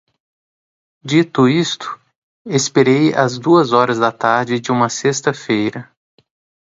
Dito isto, expirei às duas horas da tarde de uma sexta-feira